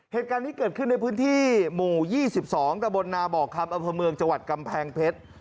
เหตุการณ์นี้เกิดขึ้นในพื้นที่หมู่๒๒ตะบนนาบอกคำอำเภอเมืองจังหวัดกำแพงเพชร